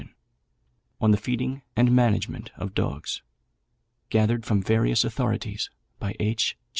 ] ON THE FEEDING AND MANAGEMENT OF DOGS. _Gathered from various authorities by H.